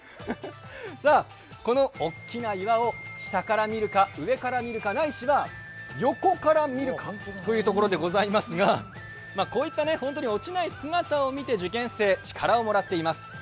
この大きな岩を下から見るか、上から見るか、ないしは、横から見るかというところでございますがこういった本当に落ちない姿を見て受験生は力をもらっています。